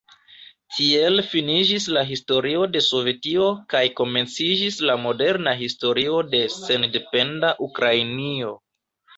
Tiel finiĝis la historio de Sovetio kaj komenciĝis la moderna historio de sendependa Ukrainio.